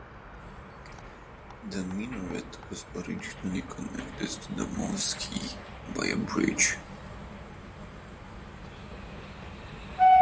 The minaret was originally connected to the mosque by a bridge.